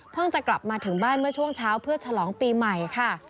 จะกลับมาถึงบ้านเมื่อช่วงเช้าเพื่อฉลองปีใหม่ค่ะ